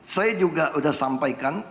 saya juga sudah sampaikan